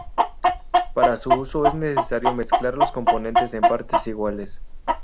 Para su uso es necesario mezclar los componentes en partes iguales.